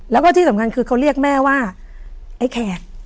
แล้วก็ที่สำคัญคือเขาเรียกแม่ว่าไอ้แขก